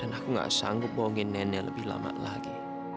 dan aku nggak sanggup bohongin nenek lebih lama lagi